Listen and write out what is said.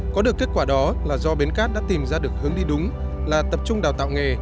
có được kết quả đó là do bến cát đã tìm ra được hướng đi đúng là tập trung đào tạo nghề